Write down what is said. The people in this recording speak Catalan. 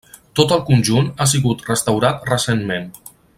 Tot el conjunt ha sigut restaurat recentment.